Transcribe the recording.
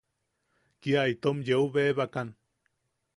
Kia itom yeu bebakan.